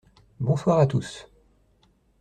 Bonsoir à tous.